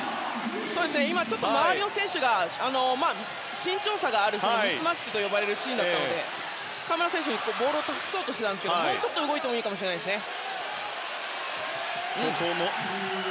今、周りの選手と身長差がある分ミスマッチと呼ばれるシーンで河村選手にボールを託そうとしていましたがもうちょっと動いてもいいかもしれないですね。